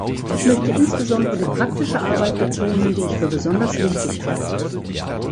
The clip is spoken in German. Ich möchte insbesondere die praktische Arbeit betonen, die ich für besonders wichtig halte.